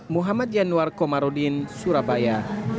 muhammad januar komarudin surabaya